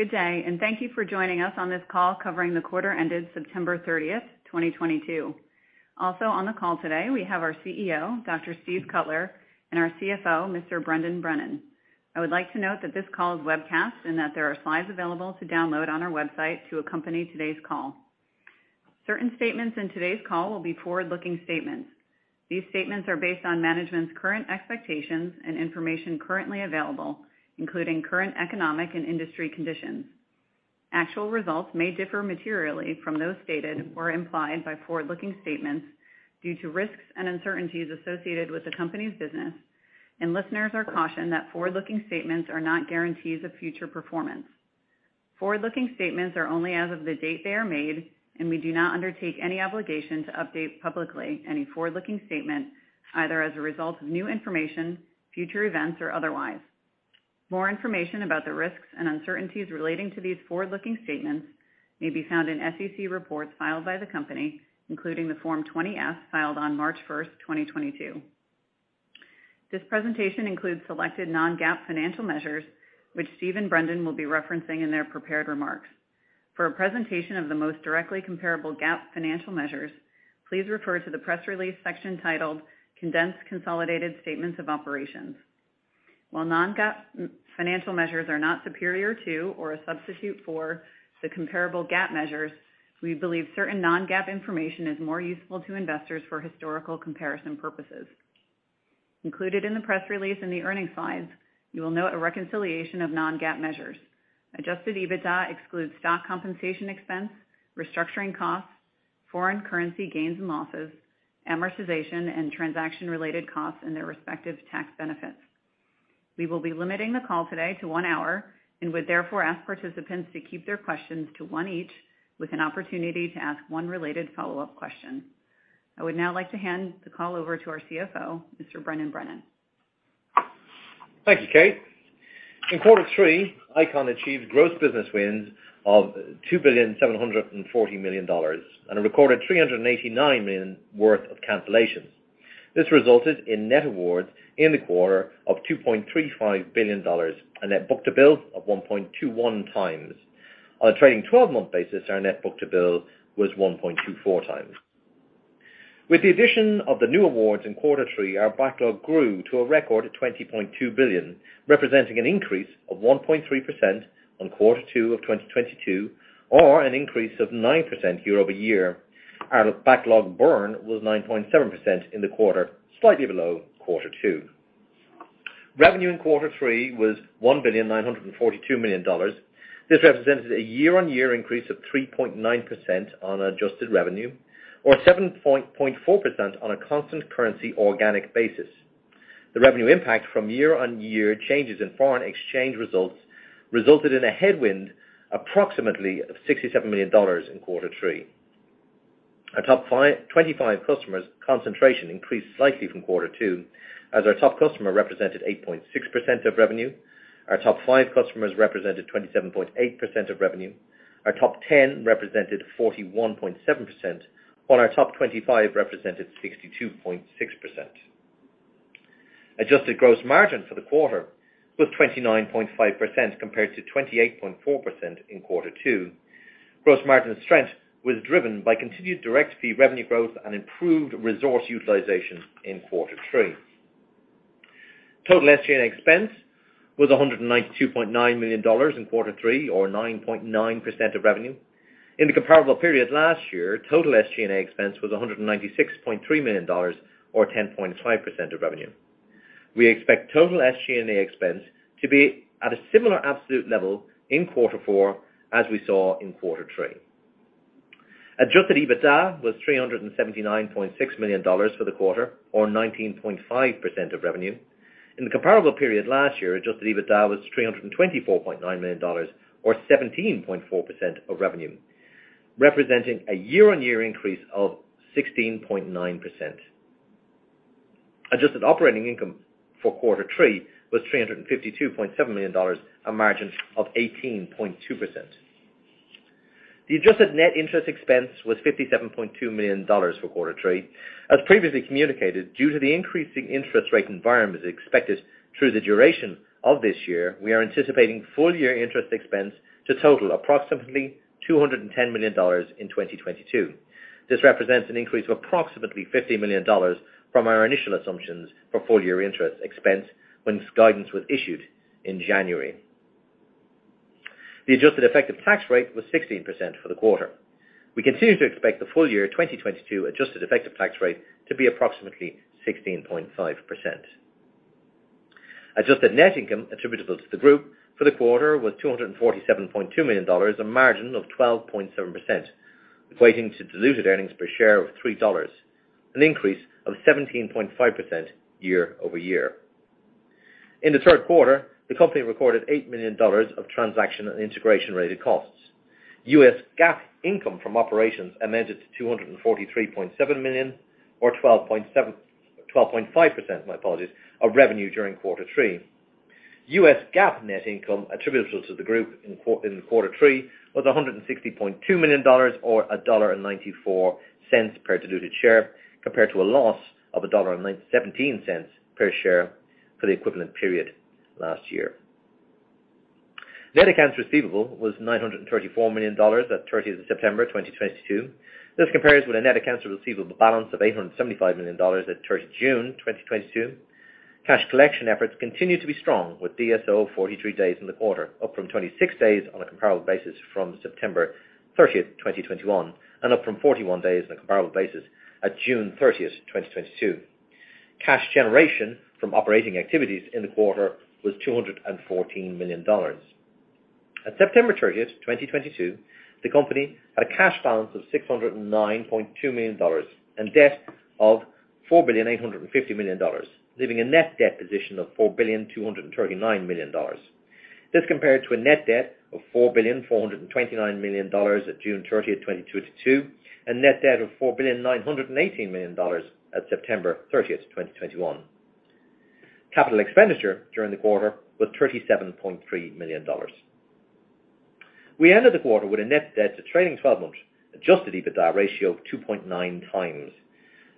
Good day, and thank you for joining us on this call covering the quarter ended September 30, 2022. Also on the call today, we have our CEO, Dr. Steve Cutler, and our CFO, Mr. Brendan Brennan. I would like to note that this call is webcast and that there are slides available to download on our website to accompany today's call. Certain statements in today's call will be forward-looking statements. These statements are based on management's current expectations and information currently available, including current economic and industry conditions. Actual results may differ materially from those stated or implied by forward-looking statements due to risks and uncertainties associated with the company's business, and listeners are cautioned that forward-looking statements are not guarantees of future performance. Forward-looking statements are only as of the date they are made, and we do not undertake any obligation to update publicly any forward-looking statement, either as a result of new information, future events, or otherwise. More information about the risks and uncertainties relating to these forward-looking statements may be found in SEC reports filed by the company, including the Form 20-F filed on March 1, 2022. This presentation includes selected non-GAAP financial measures, which Steve and Brendan will be referencing in their prepared remarks. For a presentation of the most directly comparable GAAP financial measures, please refer to the press release section titled Condensed Consolidated Statements of Operations. While non-GAAP financial measures are not superior to or a substitute for the comparable GAAP measures, we believe certain non-GAAP information is more useful to investors for historical comparison purposes. Included in the press release in the earnings slides, you will note a reconciliation of non-GAAP measures. Adjusted EBITDA excludes stock compensation expense, restructuring costs, foreign currency gains and losses, amortization, and transaction-related costs and their respective tax benefits. We will be limiting the call today to one hour and would therefore ask participants to keep their questions to one each with an opportunity to ask one related follow-up question. I would now like to hand the call over to our CFO, Mr. Brendan Brennan. Thank you, Kate. In quarter three, ICON achieved gross business wins of $2.74 billion and a recorded $389 million worth of cancellations. This resulted in net awards in the quarter of $2.35 billion and a net book-to-bill of 1.21x. On a trailing twelve-month basis, our net book-to-bill was 1.24x. With the addition of the new awards in quarter three, our backlog grew to a record of $20.2 billion, representing an increase of 1.3% on quarter two of 2022 or an increase of 9% year-over-year. Our backlog burn was 9.7% in the quarter, slightly below quarter two. Revenue in quarter three was $1.942 billion. This represented a year-on-year increase of 3.9% on adjusted revenue or 7.4% on a constant currency organic basis. The revenue impact from year-on-year changes in foreign exchange results resulted in a headwind approximately of $67 million in quarter three. Our top five, 25 customers concentration increased slightly from quarter two as our top customer represented 8.6% of revenue. Our top five customers represented 27.8% of revenue. Our top ten represented 41.7%, while our top 25 represented 62.6%. Adjusted gross margin for the quarter was 29.5% compared to 28.4% in quarter two. Gross margin strength was driven by continued direct fee revenue growth and improved resource utilization in quarter three. Total SG&A expense was $192.9 million in quarter three or 9.9% of revenue. In the comparable period last year, total SG&A expense was $196.3 million or 10.5% of revenue. We expect total SG&A expense to be at a similar absolute level in quarter four as we saw in quarter three. Adjusted EBITDA was $379.6 million for the quarter or 19.5% of revenue. In the comparable period last year, adjusted EBITDA was $324.9 million or 17.4% of revenue, representing a year-on-year increase of 16.9%. Adjusted operating income for quarter three was $352.7 million, a margin of 18.2%. The adjusted net interest expense was $57.2 million for quarter three. As previously communicated, due to the increasing interest rate environment expected through the duration of this year, we are anticipating full year interest expense to total approximately $210 million in 2022. This represents an increase of approximately $50 million from our initial assumptions for full year interest expense when this guidance was issued in January. The adjusted effective tax rate was 16% for the quarter. We continue to expect the full year 2022 adjusted effective tax rate to be approximately 16.5%. Adjusted net income attributable to the group for the quarter was $247.2 million, a margin of 12.7%, equating to diluted earnings per share of $3, an increase of 17.5% year-over-year. In the third quarter, the company recorded $8 million of transaction and integration-related costs. U.S. GAAP income from operations amounted to $243.7 million or 12.5%, my apologies, of revenue during quarter three. U.S. GAAP net income attributable to the group in quarter three was $160.2 million or $1.94 per diluted share, compared to a loss of $1.17 per share for the equivalent period last year. Net accounts receivable was $934 million at September 30th, 2022. This compares with a net accounts receivable balance of $875 million at June 30 2022. Cash collection efforts continue to be strong, with DSO 43 days in the quarter, up from 26 days on a comparable basis from September 30th, 2021, and up from 41 days on a comparable basis at June 30th, 2022. Cash generation from operating activities in the quarter was $214 million. At September 30th, 2022, the company had a cash balance of $609.2 million and debt of $4.85 billion, leaving a net debt position of $4.239 billion. This compared to a net debt of $4.429 billion at June 30th, 2022, and net debt of $4.918 billion at September 30th, 2021. Capital expenditure during the quarter was $37.3 million. We ended the quarter with a net debt to trailing 12-month adjusted EBITDA ratio of 2.9x.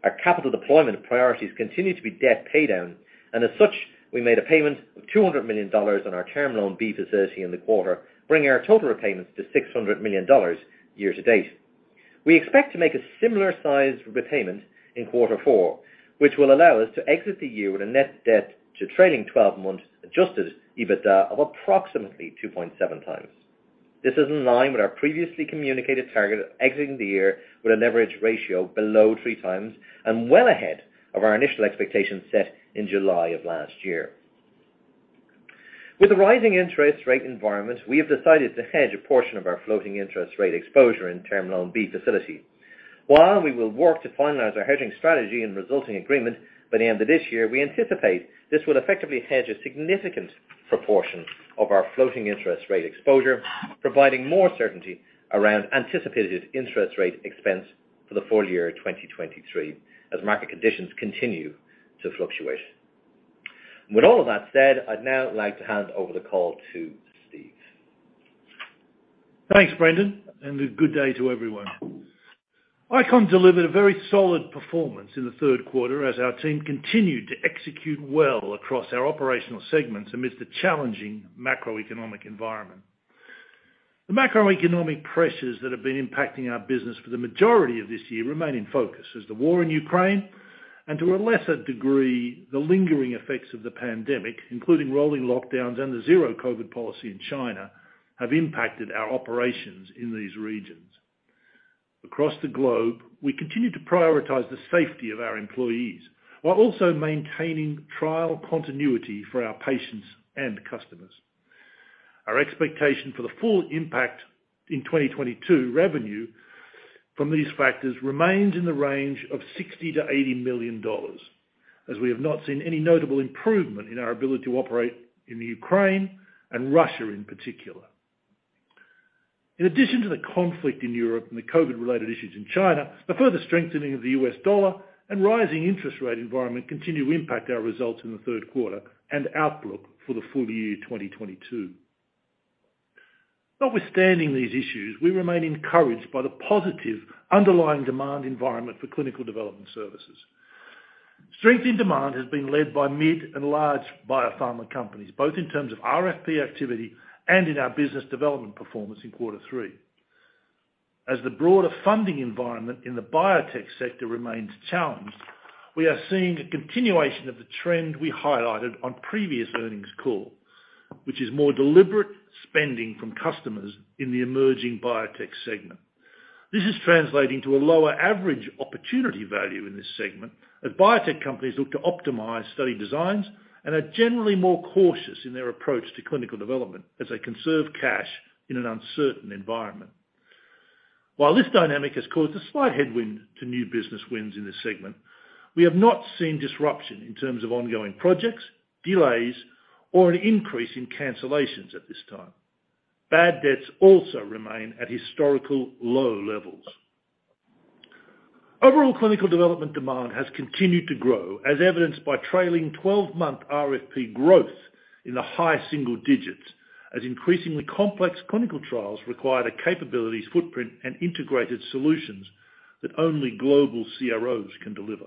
Our capital deployment priorities continue to be debt pay down, and as such, we made a payment of $200 million on our Term Loan B facility in the quarter, bringing our total repayments to $600 million year to date. We expect to make a similar size repayment in quarter four, which will allow us to exit the year with a net debt to trailing twelve-month adjusted EBITDA of approximately 2.7x. This is in line with our previously communicated target of exiting the year with a leverage ratio below 3x, and well ahead of our initial expectations set in July of last year. With the rising interest rate environment, we have decided to hedge a portion of our floating interest rate exposure in Term Loan B facility. While we will work to finalize our hedging strategy and resulting agreement by the end of this year, we anticipate this will effectively hedge a significant proportion of our floating interest rate exposure, providing more certainty around anticipated interest rate expense for the full year 2023 as market conditions continue to fluctuate. With all of that said, I'd now like to hand over the call to Steve. Thanks, Brendan, and a good day to everyone. ICON delivered a very solid performance in the third quarter as our team continued to execute well across our operational segments amidst a challenging macroeconomic environment. The macroeconomic pressures that have been impacting our business for the majority of this year remain in focus, as the war in Ukraine, and to a lesser degree, the lingering effects of the pandemic, including rolling lockdowns and the zero COVID policy in China, have impacted our operations in these regions. Across the globe, we continue to prioritize the safety of our employees while also maintaining trial continuity for our patients and customers. Our expectation for the full impact in 2022 revenue from these factors remains in the range of $60 million-$80 million, as we have not seen any notable improvement in our ability to operate in the Ukraine and Russia in particular. In addition to the conflict in Europe and the COVID-related issues in China, the further strengthening of the U.S. dollar and rising interest rate environment continue to impact our results in the third quarter and outlook for the full year 2022. Notwithstanding these issues, we remain encouraged by the positive underlying demand environment for clinical development services. Strength in demand has been led by mid and large biopharma companies, both in terms of RFP activity and in our business development performance in quarter three. As the broader funding environment in the biotech sector remains challenged, we are seeing a continuation of the trend we highlighted on previous earnings call, which is more deliberate spending from customers in the emerging biotech segment. This is translating to a lower average opportunity value in this segment as biotech companies look to optimize study designs and are generally more cautious in their approach to clinical development as they conserve cash in an uncertain environment. While this dynamic has caused a slight headwind to new business wins in this segment, we have not seen disruption in terms of ongoing projects, delays, or an increase in cancellations at this time. Bad debts also remain at historical low levels. Overall clinical development demand has continued to grow as evidenced by trailing 12-month RFP growth in the high single digits as increasingly complex clinical trials require the capabilities footprint and integrated solutions that only global CROs can deliver.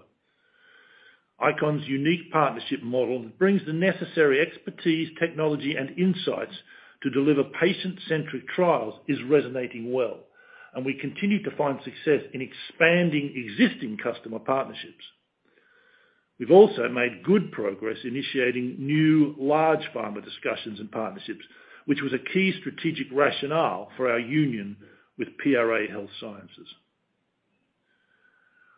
ICON's unique partnership model brings the necessary expertise, technology, and insights to deliver patient-centric trials, is resonating well, and we continue to find success in expanding existing customer partnerships. We've also made good progress initiating new large pharma discussions and partnerships, which was a key strategic rationale for our union with PRA Health Sciences.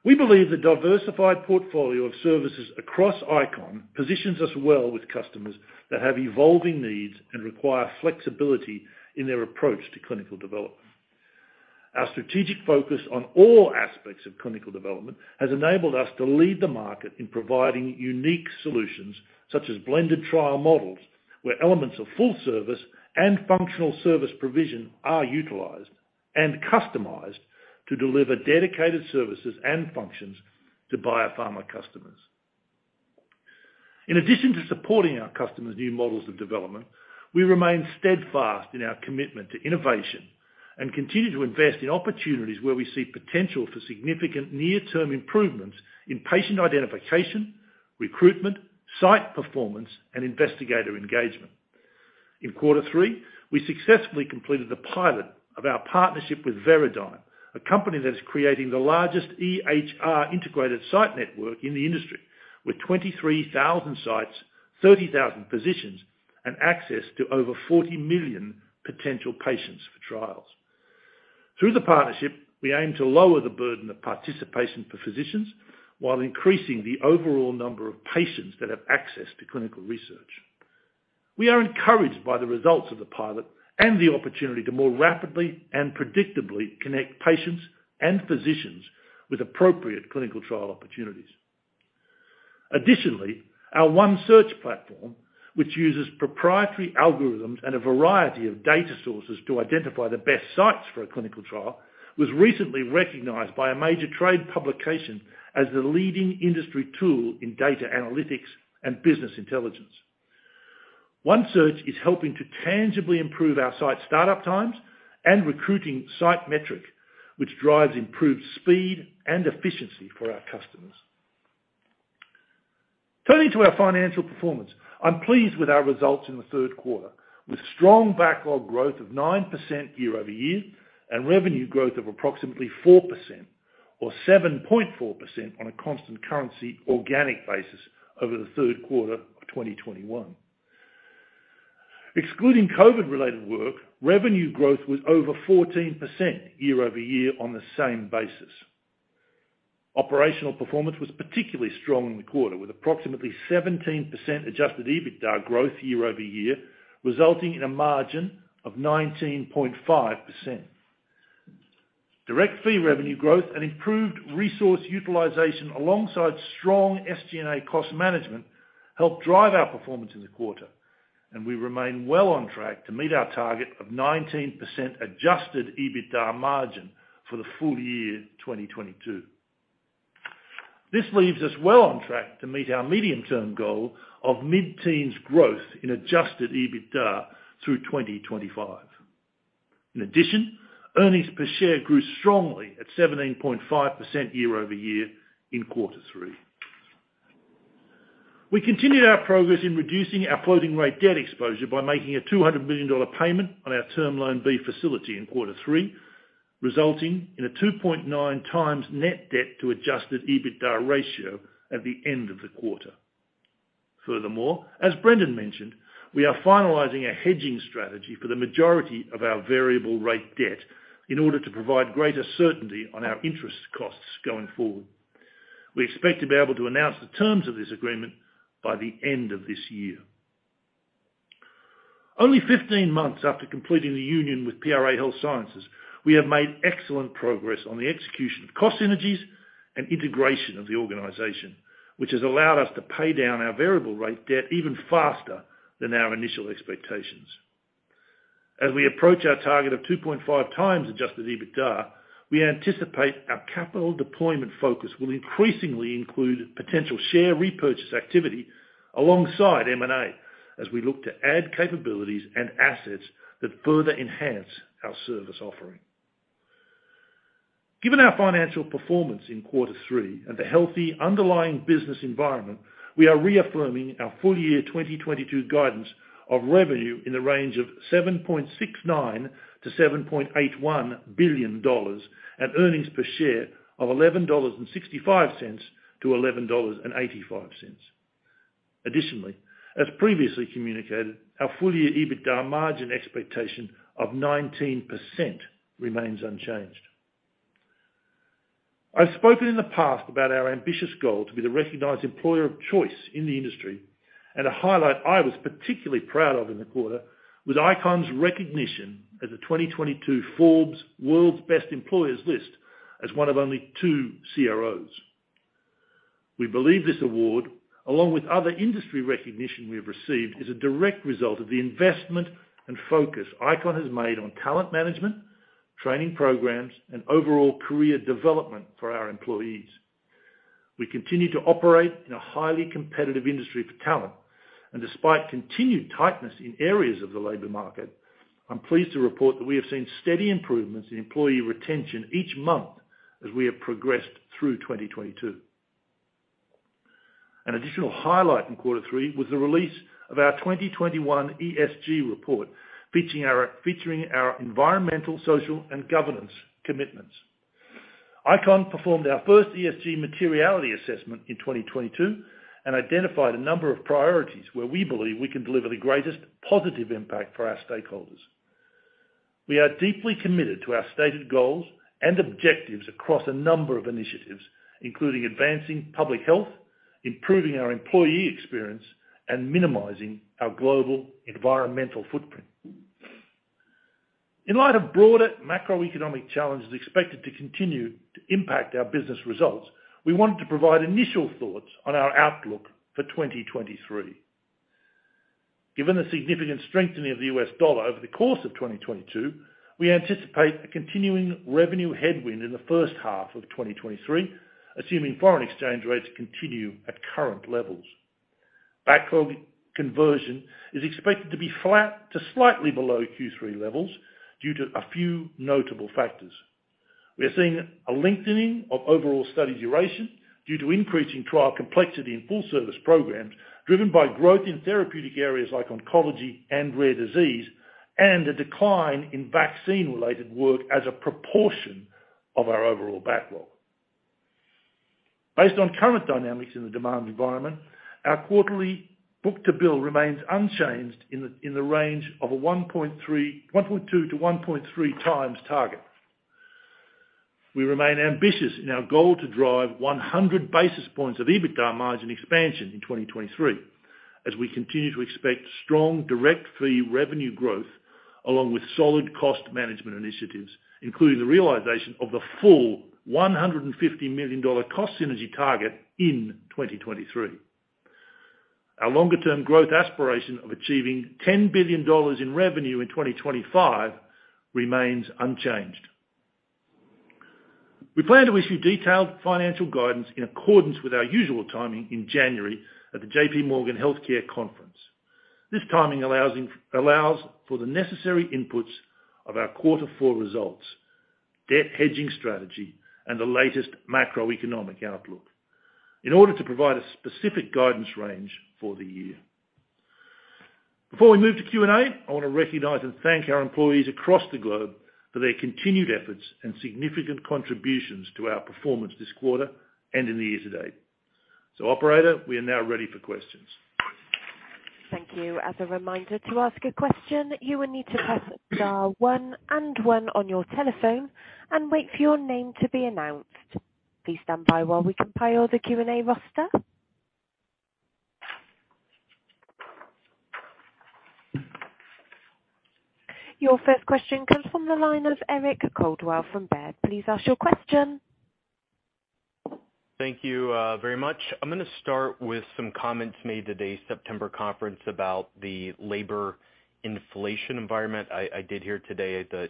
We believe the diversified portfolio of services across ICON positions us well with customers that have evolving needs and require flexibility in their approach to clinical development. Our strategic focus on all aspects of clinical development has enabled us to lead the market in providing unique solutions such as blended trial models, where elements of full service and functional service provision are utilized and customized to deliver dedicated services and functions to biopharma customers. In addition to supporting our customers' new models of development, we remain steadfast in our commitment to innovation and continue to invest in opportunities where we see potential for significant near-term improvements in patient identification, recruitment, site performance, and investigator engagement. In quarter three, we successfully completed the pilot of our partnership with Veradigm, a company that is creating the largest EHR integrated site network in the industry with 23,000 sites, 30,000 physicians, and access to over 40 million potential patients for trials. Through the partnership, we aim to lower the burden of participation for physicians while increasing the overall number of patients that have access to clinical research. We are encouraged by the results of the pilot and the opportunity to more rapidly and predictably connect patients and physicians with appropriate clinical trial opportunities. Additionally, our One Search platform, which uses proprietary algorithms and a variety of data sources to identify the best sites for a clinical trial, was recently recognized by a major trade publication as the leading industry tool in data analytics and business intelligence. One Search is helping to tangibly improve our site startup times and recruiting site metric, which drives improved speed and efficiency for our customers. Turning to our financial performance. I'm pleased with our results in the third quarter with strong backlog growth of 9% year-over-year, and revenue growth of approximately 4% or 7.4% on a constant currency organic basis over the third quarter of 2021. Excluding COVID-related work, revenue growth was over 14% year-over-year on the same basis. Operational performance was particularly strong in the quarter, with approximately 17% adjusted EBITDA growth year-over-year, resulting in a margin of 19.5%. Direct fee revenue growth and improved resource utilization alongside strong SG&A cost management helped drive our performance in the quarter, and we remain well on track to meet our target of 19% adjusted EBITDA margin for the full year 2022. This leaves us well on track to meet our medium-term goal of mid-teens growth in adjusted EBITDA through 2025. In addition, earnings per share grew strongly at 17.5% year-over-year in quarter three. We continued our progress in reducing our floating rate debt exposure by making a $200 million payment on our Term Loan B facility in quarter three, resulting in a 2.9x net debt to adjusted EBITDA ratio at the end of the quarter. Furthermore, as Brendan mentioned, we are finalizing a hedging strategy for the majority of our variable rate debt in order to provide greater certainty on our interest costs going forward. We expect to be able to announce the terms of this agreement by the end of this year. Only 15 months after completing the union with PRA Health Sciences, we have made excellent progress on the execution of cost synergies and integration of the organization, which has allowed us to pay down our variable rate debt even faster than our initial expectations. As we approach our target of 2.5x adjusted EBITDA, we anticipate our capital deployment focus will increasingly include potential share repurchase activity alongside M&A as we look to add capabilities and assets that further enhance our service offering. Given our financial performance in quarter three and the healthy underlying business environment, we are reaffirming our full-year 2022 guidance of revenue in the range of $7.69 billion-$7.81 billion and earnings per share of $11.65-$11.85. Additionally, as previously communicated, our full-year EBITDA margin expectation of 19% remains unchanged. I've spoken in the past about our ambitious goal to be the recognized employer of choice in the industry and a highlight I was particularly proud of in the quarter was ICON's recognition as a 2022 Forbes World's Best Employers list as one of only two CROs. We believe this award, along with other industry recognition we have received, is a direct result of the investment and focus ICON has made on talent management, training programs, and overall career development for our employees. We continue to operate in a highly competitive industry for talent, and despite continued tightness in areas of the labor market, I'm pleased to report that we have seen steady improvements in employee retention each month as we have progressed through 2022. An additional highlight in quarter three was the release of our 2021 ESG report featuring our environmental, social, and governance commitments. ICON performed our first ESG materiality assessment in 2022 and identified a number of priorities where we believe we can deliver the greatest positive impact for our stakeholders. We are deeply committed to our stated goals and objectives across a number of initiatives, including advancing public health, improving our employee experience, and minimizing our global environmental footprint. In light of broader macroeconomic challenges expected to continue to impact our business results, we wanted to provide initial thoughts on our outlook for 2023. Given the significant strengthening of the U.S. dollar over the course of 2022, we anticipate a continuing revenue headwind in the first half of 2023, assuming foreign exchange rates continue at current levels. Backlog conversion is expected to be flat to slightly below Q3 levels due to a few notable factors. We are seeing a lengthening of overall study duration due to increasing trial complexity in full service programs, driven by growth in therapeutic areas like oncology and rare disease, and a decline in vaccine-related work as a proportion of our overall backlog. Based on current dynamics in the demand environment, our quarterly book-to-bill remains unchanged in the range of a 1.2x-1.3x target. We remain ambitious in our goal to drive 100 basis points of EBITDA margin expansion in 2023 as we continue to expect strong direct fee revenue growth along with solid cost management initiatives, including the realization of the full $150 million cost synergy target in 2023. Our longer-term growth aspiration of achieving $10 billion in revenue in 2025 remains unchanged. We plan to issue detailed financial guidance in accordance with our usual timing in January at the JPMorgan Healthcare Conference. This timing allows for the necessary inputs of our quarter four results, debt hedging strategy, and the latest macroeconomic outlook in order to provide a specific guidance range for the year. Before we move to Q&A, I want to recognize and thank our employees across the globe for their continued efforts and significant contributions to our performance this quarter and in the year to date. Operator, we are now ready for questions. Thank you. As a reminder to ask a question, you will need to press star one and one on your telephone and wait for your name to be announced. Please stand by while we compile the Q&A roster. Your first question comes from the line of Eric Coldwell from Baird. Please ask your question. Thank you very much. I'm gonna start with some comments made at today's September conference about the labor inflation environment. I did hear today the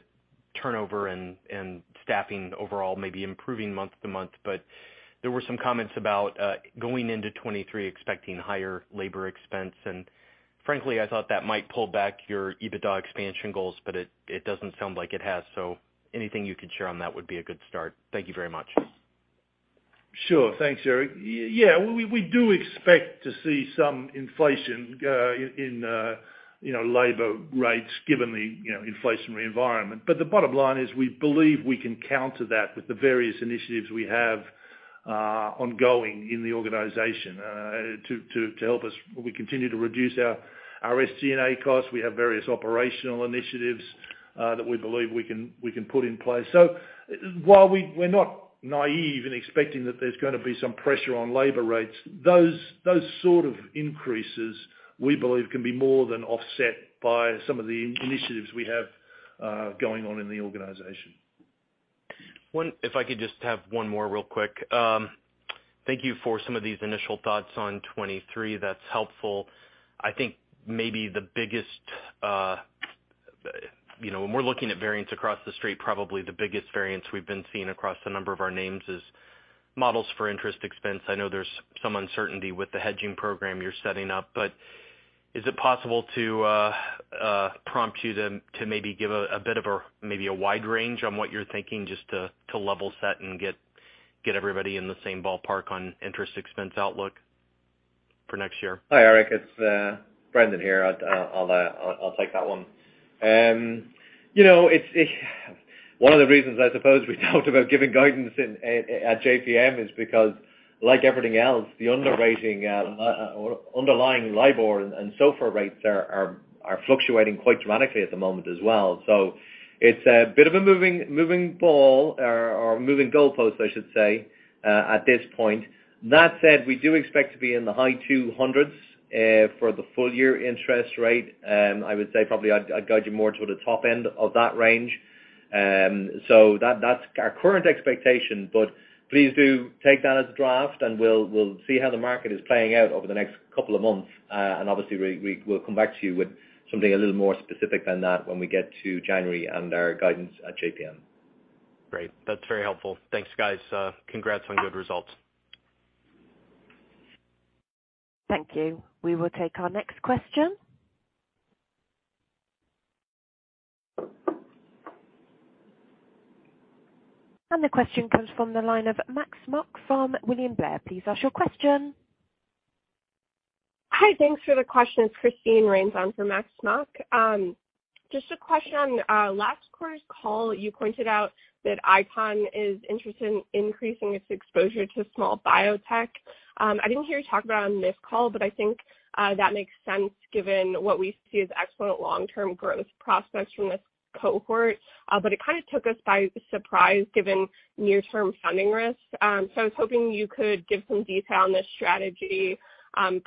turnover and staffing overall may be improving month-to-month, but there were some comments about going into 2023 expecting higher labor expense. Frankly, I thought that might pull back your EBITDA expansion goals, but it doesn't sound like it has. Anything you can share on that would be a good start. Thank you very much. Sure. Thanks, Eric. Yeah, we do expect to see some inflation in you know labor rates given the you know inflationary environment. The bottom line is we believe we can counter that with the various initiatives we have ongoing in the organization to help us. We continue to reduce our SG&A costs. We have various operational initiatives that we believe we can put in place. While we're not naive in expecting that there's gonna be some pressure on labor rates, those sort of increases, we believe, can be more than offset by some of the initiatives we have going on in the organization. If I could just have one more real quick. Thank you for some of these initial thoughts on 2023. That's helpful. I think maybe the biggest, when we're looking at variance across the street, probably the biggest variance we've been seeing across a number of our names is models for interest expense. I know there's some uncertainty with the hedging program you're setting up, but is it possible to prompt you to maybe give a bit of a maybe a wide range on what you're thinking just to level set and get everybody in the same ballpark on interest expense outlook for next year? Hi, Eric. It's Brendan here. I'll take that one. You know, one of the reasons I suppose we talked about giving guidance at JPM is because like everything else, the underlying LIBOR and SOFR rates are fluctuating quite dramatically at the moment as well. It's a bit of a moving ball or a moving goalpost, I should say, at this point. That said, we do expect to be in the high 200s for the full year interest rate. I would say probably I'd guide you more to the top end of that range. That's our current expectation. Please do take that as a draft and we'll see how the market is playing out over the next couple of months. Obviously we will come back to you with something a little more specific than that when we get to January and our guidance at JPM. Great. That's very helpful. Thanks, guys. Congrats on good results. Thank you. We will take our next question. The question comes from the line of Max Smock from William Blair. Please ask your question. Hi. Thanks for the question. Christine Rains on for Max Smock. Just a question. On last quarter's call, you pointed out that ICON is interested in increasing its exposure to small biotech. I didn't hear you talk about it on this call, but I think that makes sense given what we see as excellent long-term growth prospects from this cohort. But it kind of took us by surprise given near-term funding risks. So I was hoping you could give some detail on this strategy,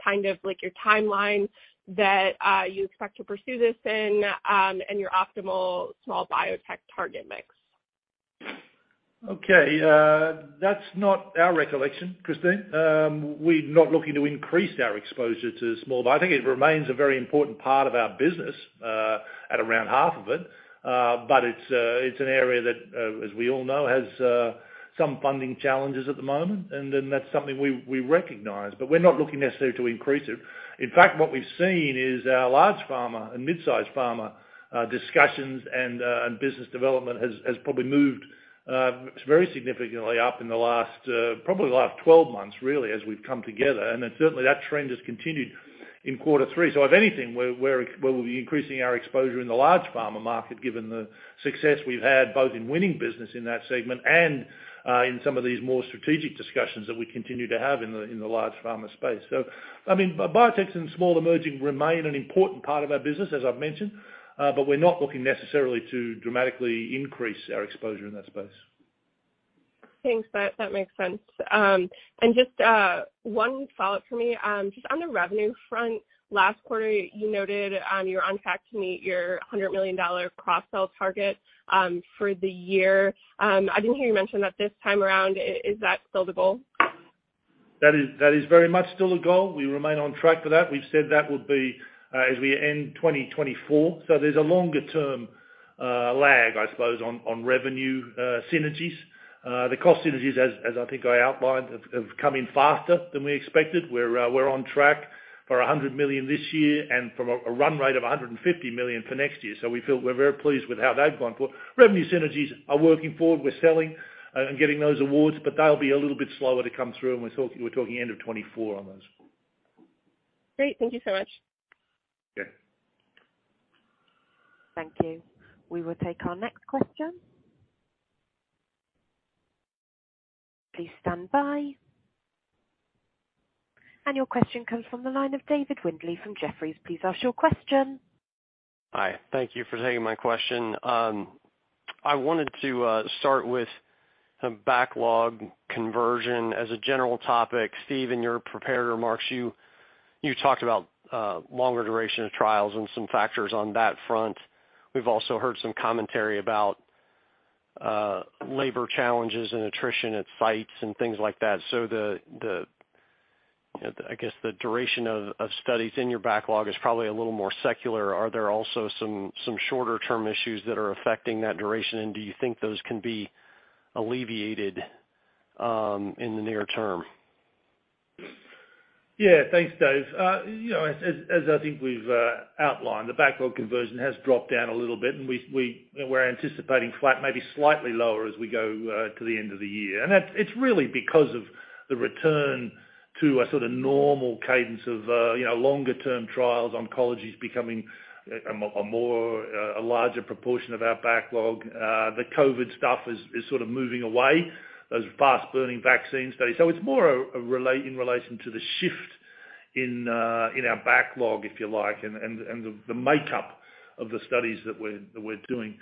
kind of like your timeline that you expect to pursue this in, and your optimal small biotech target mix. Okay. That's not our recollection, Christine. We're not looking to increase our exposure to small. But I think it remains a very important part of our business. At around half of it. But it's an area that, as we all know, has some funding challenges at the moment, and that's something we recognize, but we're not looking necessarily to increase it. In fact, what we've seen is our large pharma and mid-size pharma discussions and business development has probably moved very significantly up in the last 12 months, really, as we've come together. Certainly that trend has continued in quarter three. If anything, we'll be increasing our exposure in the large pharma market, given the success we've had both in winning business in that segment and in some of these more strategic discussions that we continue to have in the large pharma space. I mean, biotechs and small emerging remain an important part of our business, as I've mentioned, but we're not looking necessarily to dramatically increase our exposure in that space. Thanks. That makes sense. Just one follow-up for me, just on the revenue front. Last quarter, you noted you're on track to meet your $100 million cross-sell target for the year. I didn't hear you mention that this time around. Is that still the goal? That is very much still a goal. We remain on track for that. We've said that would be as we end 2024. There's a longer term lag, I suppose, on revenue synergies. The cost synergies, as I think I outlined, have come in faster than we expected. We're on track for $100 million this year and from a run rate of $150 million for next year. We feel we're very pleased with how they've gone. Revenue synergies are working forward. We're selling and getting those awards, but they'll be a little bit slower to come through, and we're talking end of 2024 on those. Great. Thank you so much. Yeah. Thank you. We will take our next question. Please stand by. Your question comes from the line of David Windley from Jefferies. Please ask your question. Hi. Thank you for taking my question. I wanted to start with some backlog conversion as a general topic. Steve, in your prepared remarks, you talked about longer duration of trials and some factors on that front. We've also heard some commentary about labor challenges and attrition at sites and things like that. I guess the duration of studies in your backlog is probably a little more secular. Are there also some shorter term issues that are affecting that duration? Do you think those can be alleviated in the near term? Yeah. Thanks, Dave. You know, as I think we've outlined, the backlog conversion has dropped down a little bit, and we're anticipating flat, maybe slightly lower as we go to the end of the year. That's really because of the return to a sort of normal cadence of, you know, longer-term trials. Oncology is becoming a larger proportion of our backlog. The COVID stuff is sort of moving away, those fast burning vaccine studies. It's more in relation to the shift in our backlog, if you like, and the makeup of the studies that we're doing.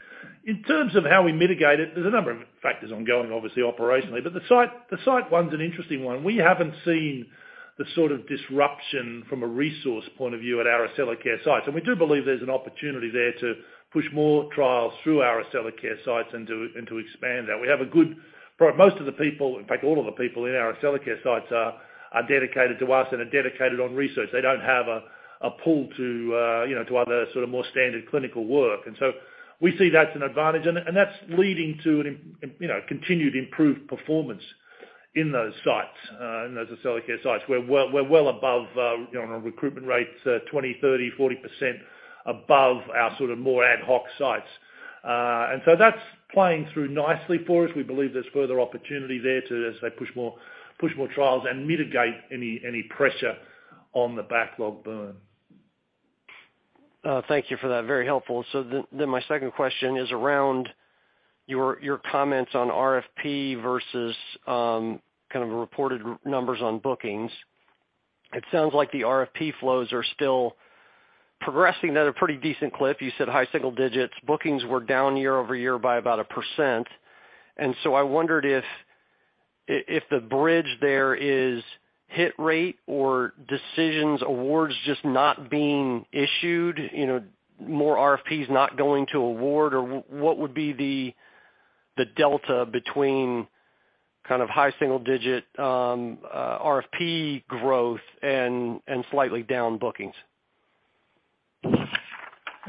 In terms of how we mitigate it, there's a number of factors ongoing, obviously, operationally, but the site one's an interesting one. We haven't seen the sort of disruption from a resource point of view at our Accellacare sites, and we do believe there's an opportunity there to push more trials through our Accellacare sites and to expand that. Most of the people, in fact, all of the people in our Accellacare sites are dedicated to us and are dedicated on research. They don't have a pull to, you know, to other sort of more standard clinical work. We see that's an advantage, and that's leading to, you know, continued improved performance in those sites, and those Accellacare sites. We're well above, you know, on our recruitment rates, 20%, 30%, 40% above our sort of more ad hoc sites. That's playing through nicely for us. We believe there's further opportunity there to, as I say, push more trials and mitigate any pressure on the backlog burn. Thank you for that. Very helpful. My second question is around your comments on RFP versus kind of reported numbers on bookings. It sounds like the RFP flows are still progressing at a pretty decent clip. You said high single digits. Bookings were down year-over-year by about 1%. I wondered if the bridge there is hit rate or decisions, awards just not being issued, you know, more RFPs not going to award or what would be the delta between kind of high single digit RFP growth and slightly down bookings?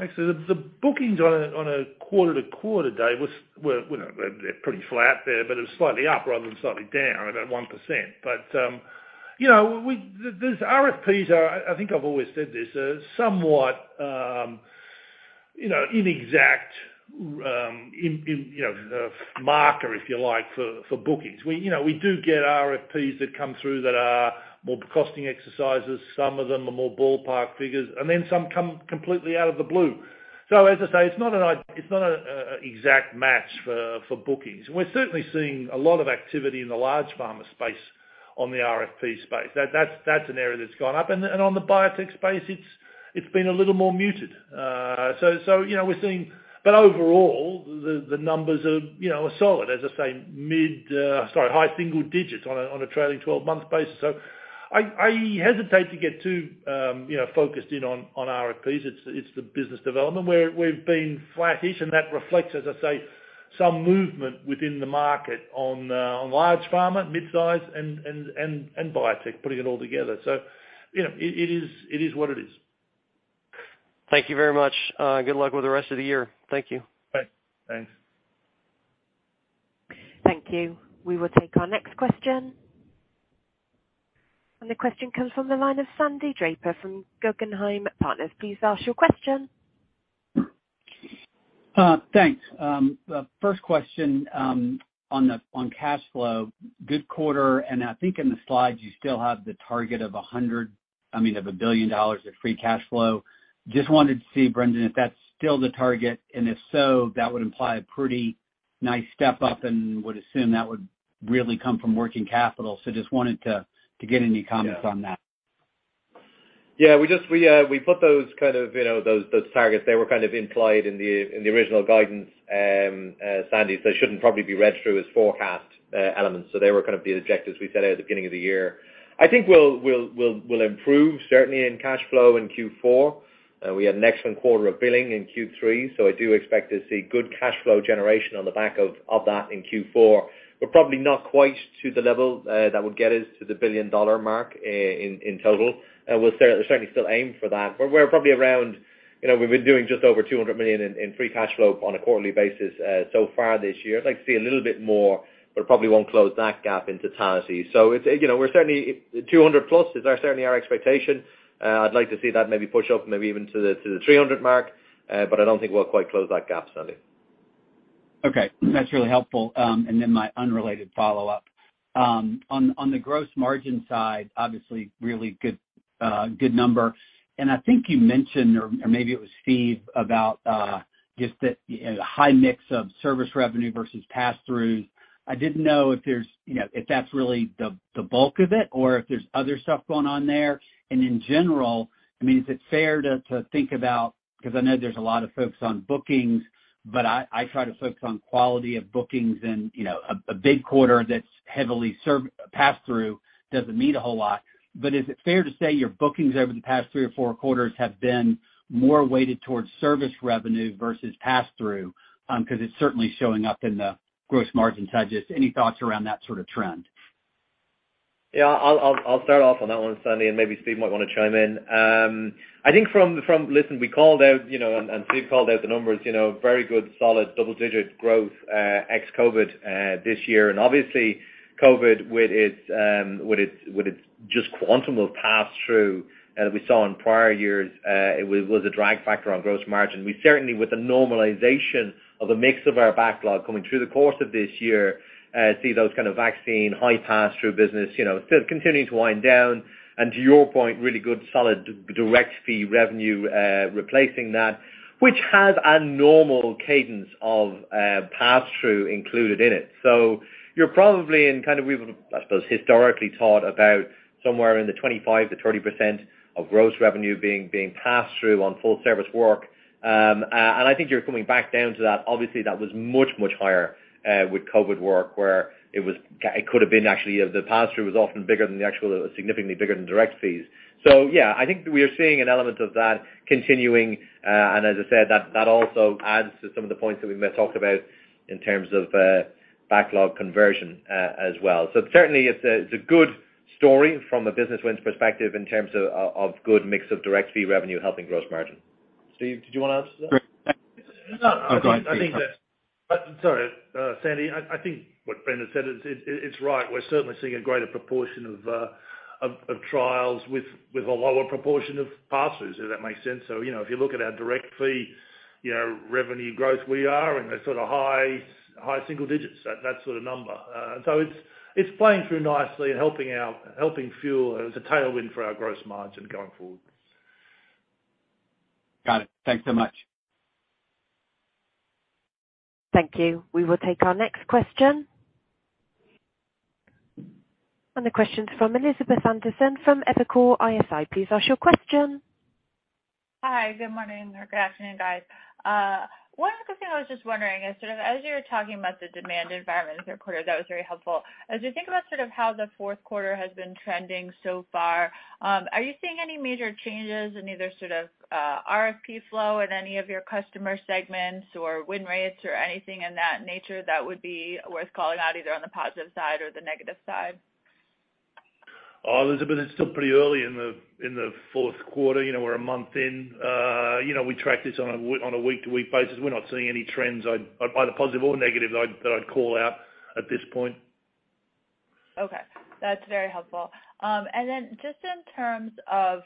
Actually, the bookings on a quarter-over-quarter, Dave, were, you know, they're pretty flat there, but it was slightly up rather than slightly down at 1%. These RFPs are, I think I've always said this, somewhat inexact marker, if you like, for bookings. We, you know, we do get RFPs that come through that are more costing exercises. Some of them are more ballpark figures, and then some come completely out of the blue. As I say, it's not an exact match for bookings. We're certainly seeing a lot of activity in the large pharma space on the RFP space. That's an area that's gone up. On the biotech space, it's been a little more muted. You know, we're seeing. Overall, the numbers are, you know, solid, as I say, high single digits on a trailing twelve-month basis. I hesitate to get too, you know, focused in on RFPs. It's the business development where we've been flattish, and that reflects, as I say, some movement within the market on large pharma, midsize, and biotech, putting it all together. You know, it is what it is. Thank you very much. Good luck with the rest of the year. Thank you. Thanks. Thanks. Thank you. We will take our next question. The question comes from the line of Sandy Draper from Guggenheim Partners. Please ask your question. Thanks. The first question on cash flow. Good quarter. I think in the slides you still have the target of $1 billion of free cash flow. Just wanted to see, Brendan, if that's still the target, and if so, that would imply a pretty nice step up, and would assume that would really come from working capital. Just wanted to get any comments on that. We put those kind of, you know, those targets. They were kind of implied in the original guidance, Sandy, so shouldn't probably be read through as forecast elements. They were kind of the objectives we set out at the beginning of the year. I think we'll improve certainly in cash flow in Q4. We had an excellent quarter of billing in Q3, so I do expect to see good cash flow generation on the back of that in Q4. Probably not quite to the level that would get us to the billion-dollar mark in total. We'll certainly still aim for that. We're probably around, you know, we've been doing just over $200 million in free cash flow on a quarterly basis so far this year. I'd like to see a little bit more, but probably won't close that gap in totality. It's, you know, $200+ is certainly our expectation. I'd like to see that maybe push up even to the $300 mark, but I don't think we'll quite close that gap, Sandy. Okay. That's really helpful. My unrelated follow-up. On the gross margin side, obviously really good number. I think you mentioned, or maybe it was Steve, about just the high mix of service revenue versus pass-throughs. I didn't know if that's really the bulk of it or if there's other stuff going on there. In general, I mean, is it fair to think about, 'cause I know there's a lot of folks on bookings, but I try to focus on quality of bookings and a big quarter that's heavily pass-through doesn't mean a whole lot. Is it fair to say your bookings over the past three or four quarters have been more weighted towards service revenue versus pass-through? 'Cause it's certainly showing up in the gross margins. Any thoughts around that sort of trend? Yeah, I'll start off on that one, Sandy, and maybe Steve might wanna chime in. I think. Listen, we called out, you know, Steve called out the numbers, you know, very good, solid double-digit growth, ex-COVID, this year. Obviously COVID, with its just quantum of pass-through that we saw in prior years, it was a drag factor on gross margin. We certainly, with the normalization of the mix of our backlog coming through the course of this year, see those kind of vaccine, high pass-through business, you know, still continuing to wind down. To your point, really good, solid direct fee revenue replacing that, which has a normal cadence of pass-through included in it. So you're probably in kind of. We've, I suppose, historically talked about somewhere in the 25%-30% of gross revenue being passed through on full service work. I think you're coming back down to that. Obviously, that was much higher with COVID work, where it could have been actually the pass-through was often bigger than the actual, significantly bigger than direct fees. Yeah, I think we are seeing an element of that continuing. As I said, that also adds to some of the points that we may talk about in terms of backlog conversion as well. Certainly it's a good story from a business wins perspective in terms of good mix of direct fee revenue helping gross margin. Steve, did you wanna answer that? No. Oh, go on Steve. I think that's. Sorry. Sandy, I think what Brendan said, it's right. We're certainly seeing a greater proportion of trials with a lower proportion of pass-throughs, if that makes sense. You know, if you look at our direct fee, you know, revenue growth, we are in the sort of high single digits, that sort of number. It's playing through nicely and helping fuel. It's a tailwind for our gross margin going forward. Got it. Thanks so much. Thank you. We will take our next question. The question's from Elizabeth Anderson from Evercore ISI. Please ask your question. Hi. Good morning or good afternoon, guys. One other thing I was just wondering is sort of as you're talking about the demand environment this quarter, that was very helpful. As you think about sort of how the fourth quarter has been trending so far, are you seeing any major changes in either sort of, RFP flow in any of your customer segments or win rates or anything in that nature that would be worth calling out either on the positive side or the negative side? Elizabeth, it's still pretty early in the fourth quarter. You know, we're a month in. You know, we track this on a week-to-week basis. We're not seeing any trends either positive or negative that I'd call out at this point. Okay. That's very helpful. Then just in terms of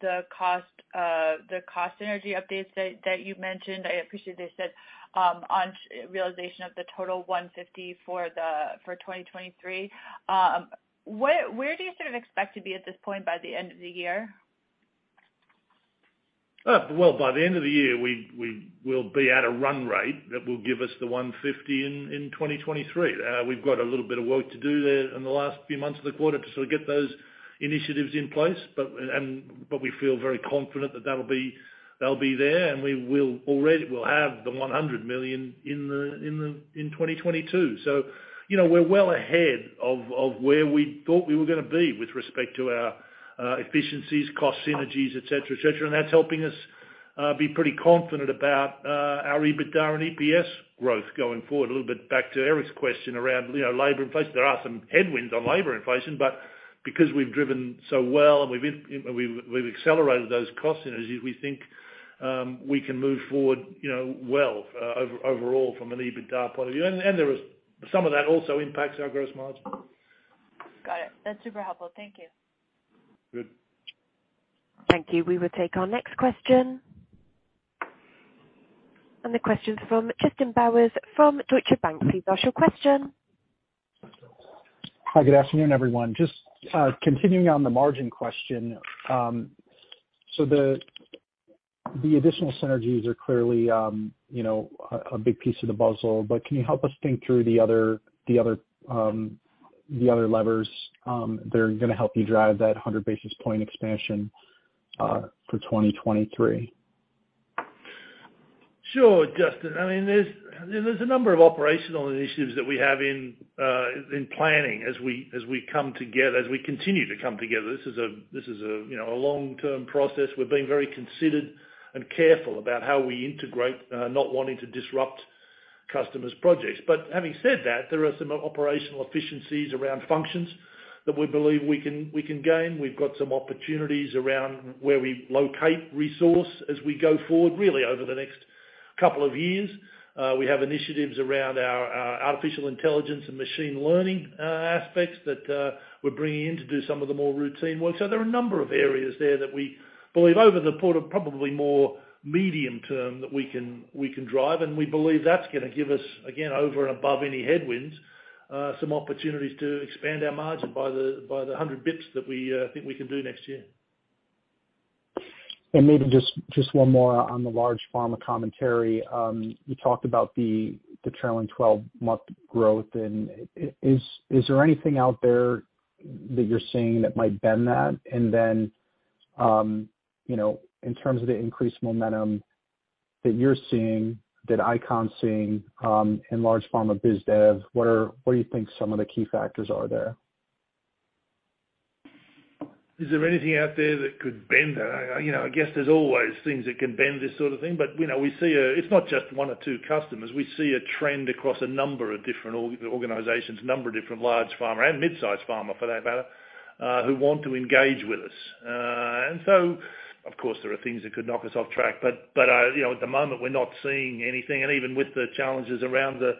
the cost synergy updates that you mentioned, I appreciate, as said, on realization of the total $150 for 2023, where do you sort of expect to be at this point by the end of the year? Well, by the end of the year, we will be at a run rate that will give us the $150 million in 2023. We've got a little bit of work to do there in the last few months of the quarter to sort of get those initiatives in place. We feel very confident that that'll be there and we'll already have the $100 million in 2022. You know, we're well ahead of where we thought we were gonna be with respect to our efficiencies, cost synergies, et cetera, et cetera, and that's helping us be pretty confident about our EBITDA and EPS growth going forward. A little bit back to Eric's question around, you know, labor inflation. There are some headwinds on labor inflation, but because we've driven so well, and we've accelerated those cost synergies, we think we can move forward, you know, well, overall from an EBITDA point of view. There is some of that also impacts our gross margin. Got it. That's super helpful. Thank you. Good. Thank you. We will take our next question. The question is from Justin Bowers from Deutsche Bank. Please ask your question. Hi, good afternoon, everyone. Just continuing on the margin question. So the additional synergies are clearly, you know, a big piece of the puzzle, but can you help us think through the other levers that are gonna help you drive that 100 basis point expansion for 2023? Sure, Justin. I mean, there's a number of operational initiatives that we have in planning as we come together, as we continue to come together. This is a you know, a long-term process. We're being very considered and careful about how we integrate, not wanting to disrupt customers' projects. Having said that, there are some operational efficiencies around functions that we believe we can gain. We've got some opportunities around where we locate resource as we go forward, really over the next couple of years. We have initiatives around our Artificial Intelligence and machine learning aspects that we're bringing in to do some of the more routine work. There are a number of areas there that we believe over the probably more medium term that we can drive, and we believe that's gonna give us, again, over and above any headwinds, some opportunities to expand our margin by the 100 basis points that we think we can do next year. Maybe just one more on the large pharma commentary. You talked about the trailing twelve-month growth. Is there anything out there that you're seeing that might bend that? You know, in terms of the increased momentum that you're seeing, that ICON's seeing, in large pharma biz dev, what do you think some of the key factors are there? Is there anything out there that could bend that? You know, I guess there's always things that can bend this sort of thing. You know, we see a trend across a number of different organizations, a number of different large pharma and mid-size pharma, for that matter, who want to engage with us. Of course there are things that could knock us off track. You know, at the moment, we're not seeing anything. Even with the challenges around the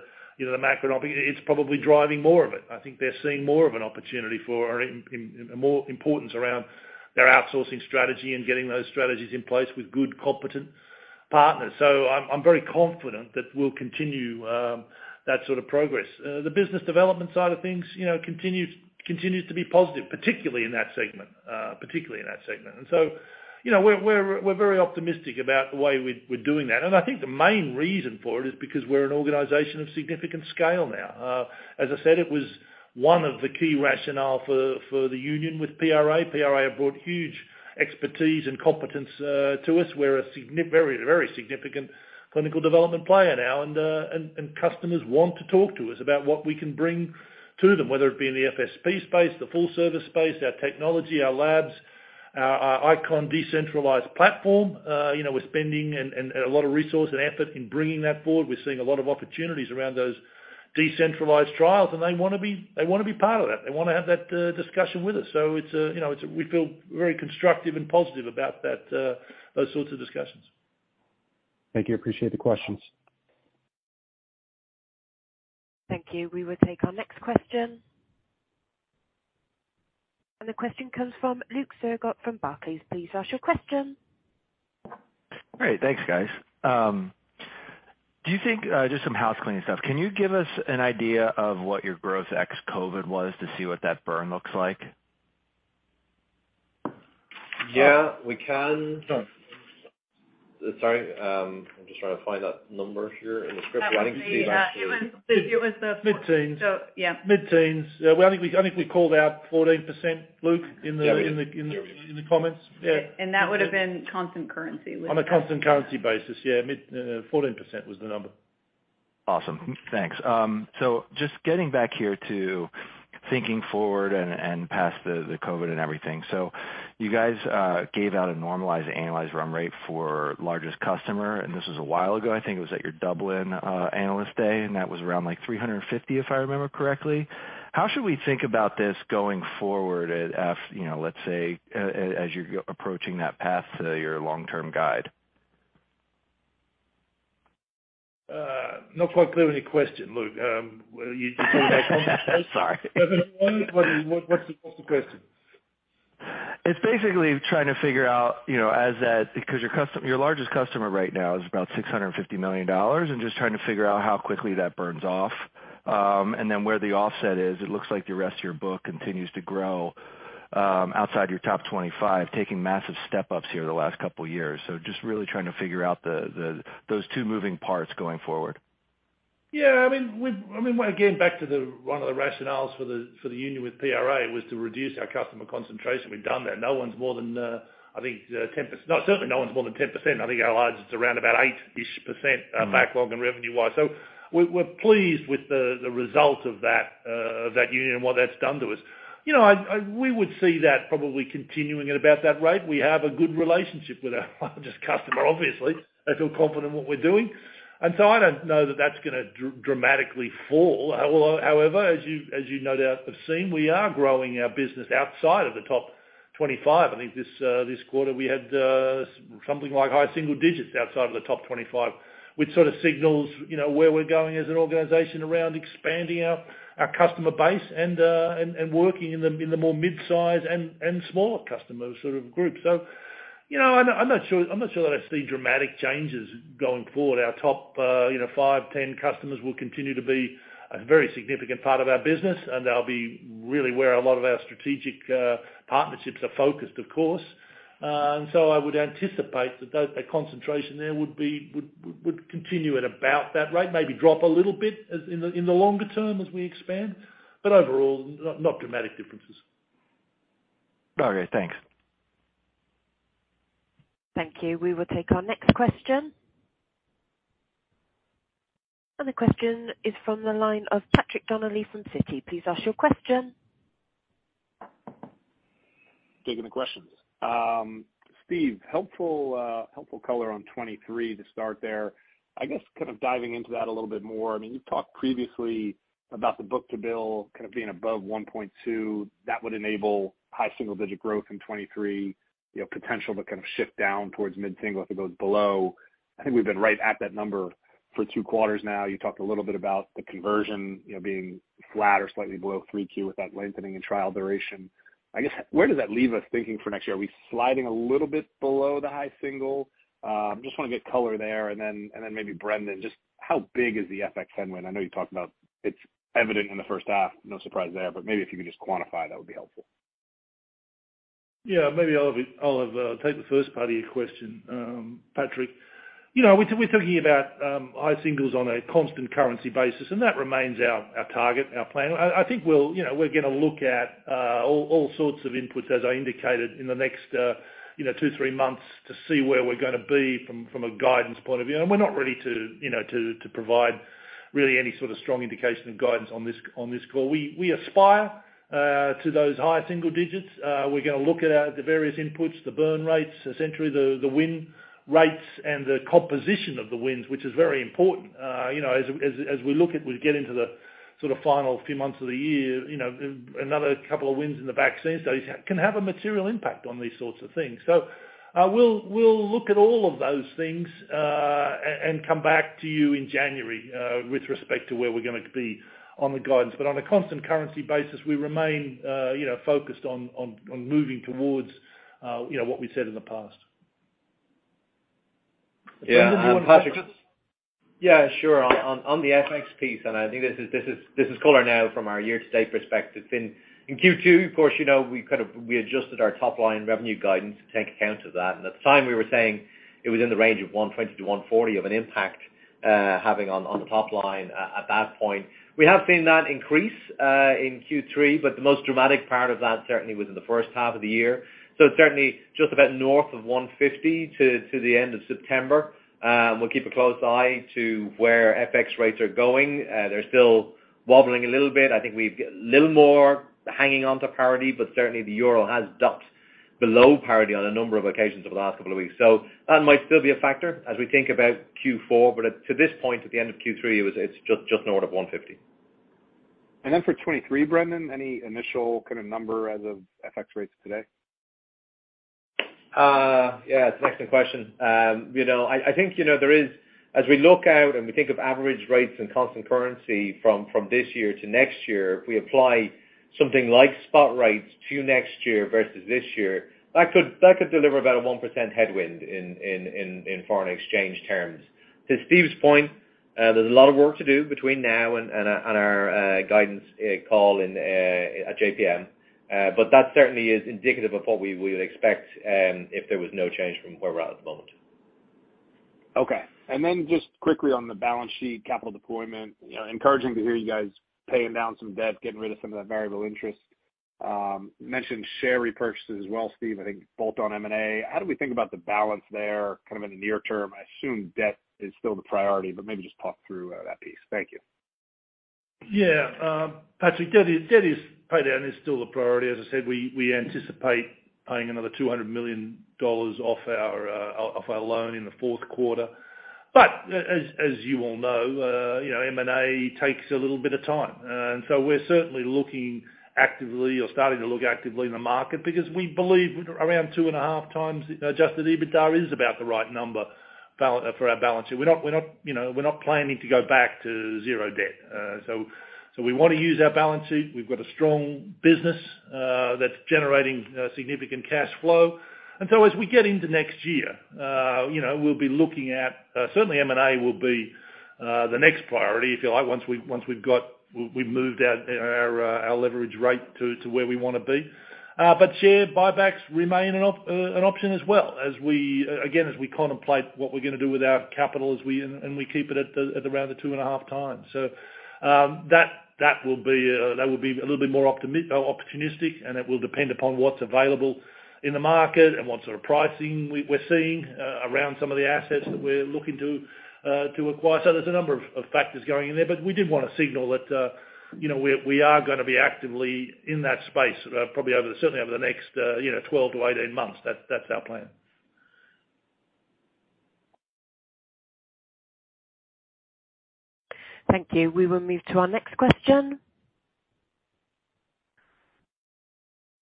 macro, I mean, it's probably driving more of it. I think they're seeing more of an opportunity for more importance around their outsourcing strategy and getting those strategies in place with good, competent partners. I'm very confident that we'll continue that sort of progress. The business development side of things, you know, continues to be positive, particularly in that segment. You know, we're very optimistic about the way we're doing that. I think the main reason for it is because we're an organization of significant scale now. As I said, it was one of the key rationale for the union with PRA. PRA have brought huge expertise and competence to us. We're a very significant clinical development player now. Customers want to talk to us about what we can bring to them, whether it be in the FSP space, the full service space, our technology, our labs, our ICON decentralized platform. You know, we're spending and a lot of resources and effort in bringing that forward. We're seeing a lot of opportunities around those decentralized trials, and they wanna be part of that. They wanna have that discussion with us. You know, we feel very constructive and positive about that, those sorts of discussions. Thank you. Appreciate the questions. Thank you. We will take our next question. The question comes from Luke Sergott from Barclays. Please ask your question. Great. Thanks, guys. Just some housekeeping stuff. Can you give us an idea of what your growth ex-COVID was to see what that burn looks like? Yeah, we can. Sorry. I'm just trying to find that number here in the script. I think it's actually mid-teens. I think we called out 14%, Luke, in the Yeah. In the comments. Yeah. That would have been constant currency, Luke. On a constant currency basis, yeah. Mid 14% was the number. Awesome. Thanks. Just getting back here to thinking forward and past the COVID and everything. You guys gave out a normalized annualized run rate for largest customer, and this was a while ago. I think it was at your Dublin Analyst Day, and that was around, like, 350, if I remember correctly. How should we think about this going forward after, you know, let's say as you're approaching that path to your long-term guide? Not quite clear on your question, Luke. Are you talking about concentrations? Sorry. What's the question? It's basically trying to figure out, you know, because your largest customer right now is about $650 million, and just trying to figure out how quickly that burns off. Then where the offset is. It looks like the rest of your book continues to grow outside your top 25, taking massive step-ups here the last couple years. Just really trying to figure out those two moving parts going forward. I mean, again, back to the one of the rationales for the union with PRA was to reduce our customer concentration. We've done that. Certainly no one's more than 10%. I think our largest is around about 8-ish%, backlog and revenue-wise. So we're pleased with the result of that union and what that's done to us. We would see that probably continuing at about that rate. We have a good relationship with our largest customer, obviously. They feel confident in what we're doing. I don't know that that's gonna dramatically fall. However, as you no doubt have seen, we are growing our business outside of the top 25. I think this quarter we had something like high single digits outside of the top 25, which sort of signals, you know, where we're going as an organization around expanding our customer base and working in the more mid-size and smaller customers sort of group. You know, I'm not sure that I see dramatic changes going forward. Our top, you know, five, 10 customers will continue to be a very significant part of our business, and they'll be really where a lot of our strategic partnerships are focused, of course. I would anticipate that those, the concentration there would continue at about that rate, maybe drop a little bit as, in the longer term as we expand. Overall, not dramatic differences. Okay, thanks. Thank you. We will take our next question. The question is from the line of Patrick Donnelly from Citi. Please ask your question. Taking the questions. Steve, helpful color on 2023 to start there. I guess kind of diving into that a little bit more. I mean, you've talked previously about the book-to-bill kind of being above 1.2. That would enable high single digit growth in 2023, you know, potential to kind of shift down towards mid-single if it goes below. I think we've been right at that number for two quarters now. You talked a little bit about the conversion, you know, being flat or slightly below 3Q with that lengthening in trial duration. I guess where does that leave us thinking for next year? Are we sliding a little bit below the high single? I just wanna get color there. Maybe Brendan, just how big is the FX headwind? I know you talked about it. It's evident in the first half. No surprise there. Maybe if you could just quantify, that would be helpful. Yeah, maybe I'll take the first part of your question, Patrick. You know, we're talking about high single digits on a constant currency basis, and that remains our target, our plan. I think we'll, you know, we're gonna look at all sorts of inputs, as I indicated in the next two to three months to see where we're gonna be from a guidance point of view. We're not ready to provide really any sort of strong indication of guidance on this call. We aspire to those high single digits. We're gonna look at the various inputs, the burn rates, essentially the win rates and the composition of the wins, which is very important. You know, as we look at, we get into the sort of final few months of the year, you know, another couple of wins in the vaccine studies can have a material impact on these sorts of things. We'll look at all of those things and come back to you in January with respect to where we're gonna be on the guidance. On a constant currency basis, we remain, you know, focused on moving towards, you know, what we said in the past. Yeah, Patrick- Brendan, do you want to take this? Yeah, sure. On the FX piece, I think this is color now from our year-to-date perspective. In Q2, of course, we adjusted our top line revenue guidance to take account of that. At the time, we were saying it was in the range of $120-$140 of an impact having on the top line at that point. We have seen that increase in Q3, but the most dramatic part of that certainly was in the first half of the year. Certainly just about north of $150 to the end of September. We'll keep a close eye on where FX rates are going. They're still wobbling a little bit. I think we've got a little more hanging on to parity, but certainly the euro has dipped below parity on a number of occasions over the last couple of weeks. That might still be a factor as we think about Q4, but to this point, at the end of Q3, it's just north of 1.50. For 2023, Brendan, any initial kind of number as of FX rates today? Yeah, it's an excellent question. You know, I think you know there is, as we look out and we think of average rates and constant currency from this year to next year, if we apply something like spot rates to next year versus this year, that could deliver about a 1% headwind in foreign exchange terms. To Steve's point, there's a lot of work to do between now and our guidance call at JPM. That certainly is indicative of what we would expect if there was no change from where we're at at the moment. Okay. Just quickly on the balance sheet capital deployment, you know, encouraging to hear you guys paying down some debt, getting rid of some of that variable interest. You mentioned share repurchases as well, Steve, I think bolt-on M&A. How do we think about the balance there kind of in the near term? I assume debt is still the priority, but maybe just talk through that piece. Thank you. Yeah. Patrick, debt pay down is still the priority. As I said, we anticipate paying another $200 million off our loan in the fourth quarter. As you all know, you know, M&A takes a little bit of time. We're certainly looking actively or starting to look actively in the market because we believe around 2.5x adjusted EBITDA is about the right number for our balance sheet. We're not, you know, planning to go back to zero debt. We wanna use our balance sheet. We've got a strong business that's generating significant cash flow. As we get into next year, you know, we'll be looking at, certainly M&A will be the next priority, if you like, once we've moved our leverage rate to where we wanna be. But share buybacks remain an option as well as we again as we contemplate what we're gonna do with our capital and we keep it at around the 2.5x. That will be a little bit more opportunistic, and it will depend upon what's available in the market and what sort of pricing we're seeing around some of the assets that we're looking to acquire. There's a number of of factors going in there, but we did wanna signal that, you know, we are gonna be actively in that space, probably over, certainly over the next, you know, 12-18 months. That's our plan. Thank you. We will move to our next question.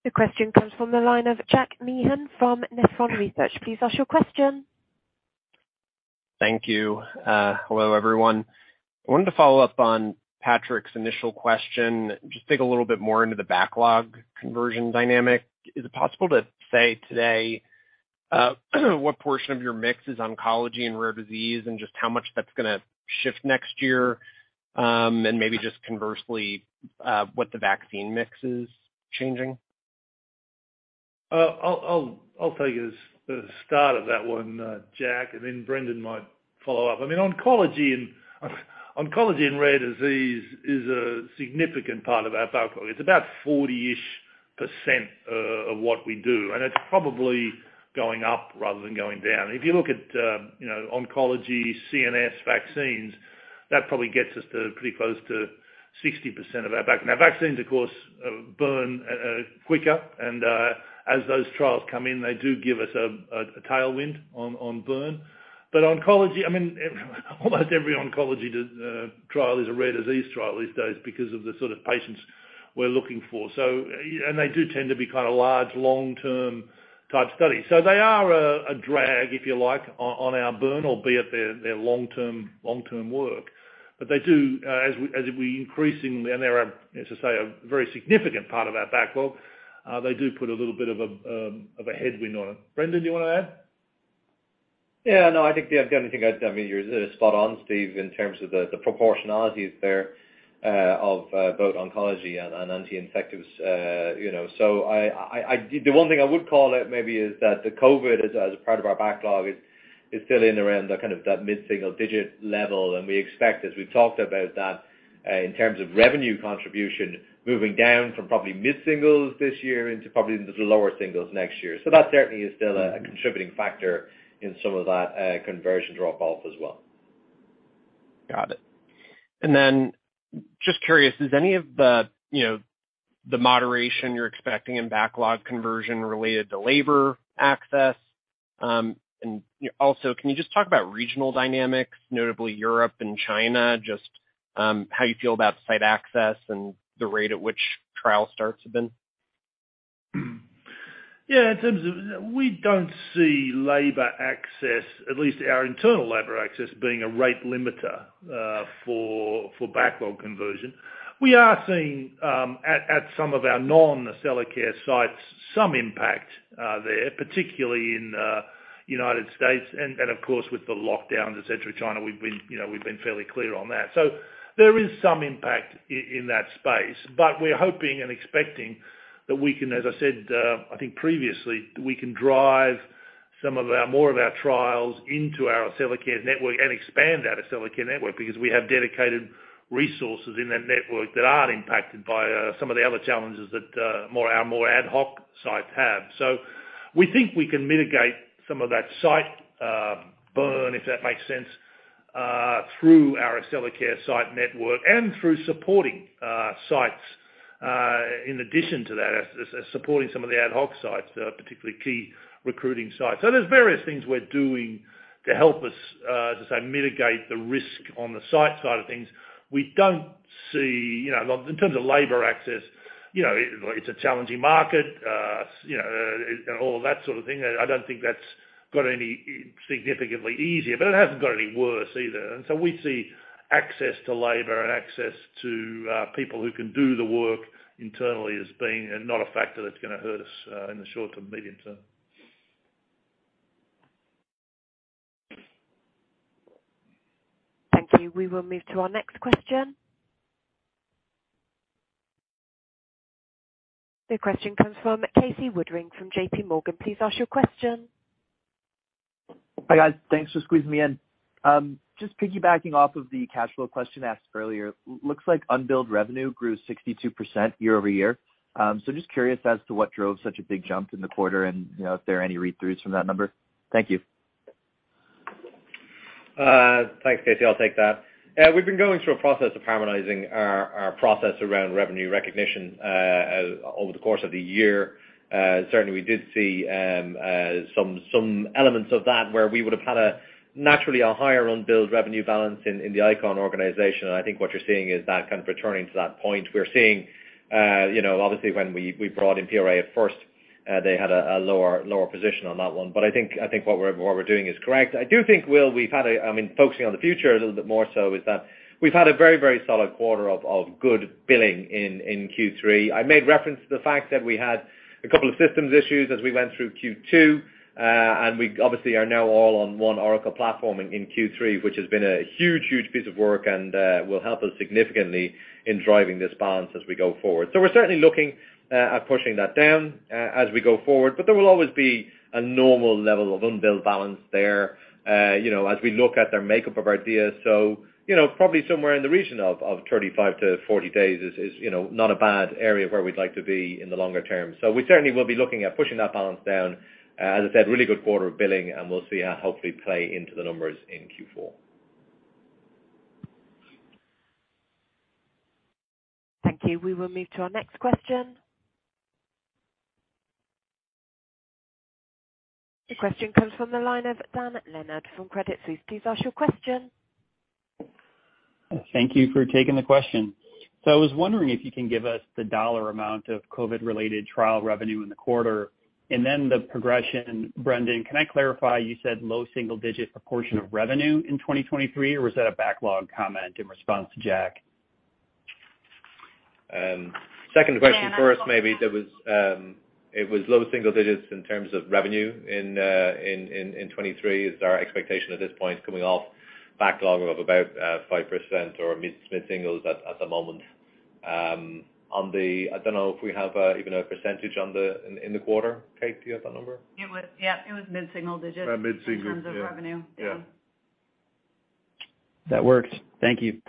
The question comes from the line of Jack Meehan from Nephron Research. Please ask your question. Thank you. Hello, everyone. I wanted to follow up on Patrick's initial question. Just dig a little bit more into the backlog conversion dynamic. Is it possible to say today, what portion of your mix is oncology and rare disease and just how much that's gonna shift next year? And maybe just conversely, what the vaccine mix is changing. I'll take this, the start of that one, Jack, and then Brendan might follow up. I mean, oncology and rare disease is a significant part of our backlog. It's about 40-ish% of what we do, and it's probably going up rather than going down. If you look at, you know, oncology, CNS, vaccines, that probably gets us to pretty close to 60% of our backlog. Now vaccines of course burn quicker and as those trials come in, they do give us a tailwind on burn. But oncology, I mean, almost every oncology trial is a rare disease trial these days because of the sort of patients we're looking for. And they do tend to be kinda large, long-term type studies. They are a drag, if you like, on our burn albeit their long-term work. They do, as we increasingly and they are, as I say, a very significant part of our backlog, they do put a little bit of a headwind on it. Brendan, do you wanna add? I think the only thing I'd, I mean, you're spot on, Steve, in terms of the proportionality there, of both oncology and anti-infectives. You know, the one thing I would call out maybe is that the COVID as a part of our backlog is still in around that kind of mid-single digit level. We expect, as we talked about that, in terms of revenue contribution, moving down from probably mid-singles this year into probably the lower singles next year. That certainly is still a contributing factor in some of that conversion drop-off as well. Got it. Just curious, is any of the, you know, the moderation you're expecting in backlog conversion related to labor access? Can you just talk about regional dynamics, notably Europe and China, just, how you feel about site access and the rate at which trial starts have been? Yeah. In terms of, we don't see labor access, at least our internal labor access, being a rate limiter for backlog conversion. We are seeing at some of our non-Accellacare sites some impact there, particularly in United States and, of course, with the lockdowns, et cetera, China. You know, we've been fairly clear on that. There is some impact in that space. We're hoping and expecting that we can, as I said, I think previously, we can drive more of our trials into our Accellacare network and expand our Accellacare network because we have dedicated resources in that network that aren't impacted by some of the other challenges that our more ad hoc sites have. We think we can mitigate some of that site burn, if that makes sense, through our Accellacare site network and through supporting sites in addition to that, as supporting some of the ad hoc sites, particularly key recruiting sites. There's various things we're doing to help us, as I say, mitigate the risk on the site side of things. We don't see, you know, in terms of labor access, you know, it's a challenging market, you know, and all that sort of thing. I don't think that's got any significantly easier, but it hasn't got any worse either. We see access to labor and access to people who can do the work internally as being not a factor that's gonna hurt us in the short-term, medium-term. Thank you. We will move to our next question. The question comes from Casey Woodring from JPMorgan. Please ask your question. Hi, guys. Thanks for squeezing me in. Just piggybacking off of the cash flow question asked earlier. Looks like unbilled revenue grew 62% year-over-year. Just curious as to what drove such a big jump in the quarter and, you know, if there are any read-throughs from that number. Thank you. Thanks, Casey. I'll take that. We've been going through a process of harmonizing our process around revenue recognition over the course of the year. Certainly we did see some elements of that where we would have had a naturally higher unbilled revenue balance in the ICON organization. I think what you're seeing is that kind of returning to that point. We're seeing you know, obviously when we brought in PRA at first, they had a lower position on that one. I think what we're doing is correct. I do think we've had a I mean, focusing on the future a little bit more so is that we've had a very solid quarter of good billing in Q3. I made reference to the fact that we had a couple of systems issues as we went through Q2, and we obviously are now all on one Oracle platform in Q3, which has been a huge piece of work and will help us significantly in driving this balance as we go forward. We're certainly looking at pushing that down as we go forward, but there will always be a normal level of unbilled balance there, you know, as we look at the makeup of DSO. You know, probably somewhere in the region of 35-40 days is, you know, not a bad area where we'd like to be in the longer term. We certainly will be looking at pushing that balance down. As I said, really good quarter of billing, and we'll see that hopefully play into the numbers in Q4. Thank you. We will move to our next question. Your question comes from the line of Dan Leonard from Credit Suisse. Please ask your question. Thank you for taking the question. I was wondering if you can give us the dollar amount of COVID-related trial revenue in the quarter and then the progression. Brendan, can I clarify, you said low single digit proportion of revenue in 2023, or was that a backlog comment in response to Jack? Second question first, maybe. It was low single digits in terms of revenue in 2023 is our expectation at this point coming off backlog of about 5% or mid-singles at the moment. I don't know if we have even a percentage in the quarter. Kate, do you have that number? Yeah, it was mid-single digits. Mid-single, yeah. in terms of revenue. Yeah. That works. Thank you.